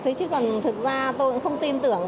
thế chứ còn thực ra tôi cũng không tin tưởng